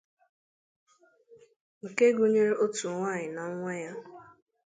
nke gụnyere otu nwaanyị na nwa ya